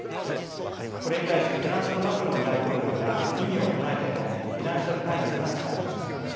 これに対しフランスのマクロン大統領が異議を唱えたとフィナンシャル・タイムズが伝えました。